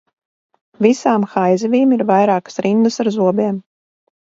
Visām haizivīm ir vairākas rindas ar zobiem.